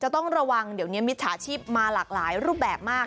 ต้องระวังเดี๋ยวนี้มิจฉาชีพมาหลากหลายรูปแบบมาก